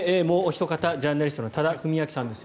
もうおひと方ジャーナリストの多田文明さんです。